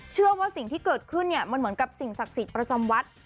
เชื่อว่าสิ่งที่เกิดขึ้นเนี่ยมันเหมือนกับสิ่งศักดิ์สิทธิ์ประจำวัด